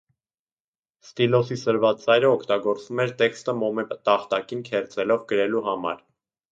Ստիլոսի սրված ծայրը օգտագործվում էր տեքստը մոմե տախտակին քերծելով գրելու համար։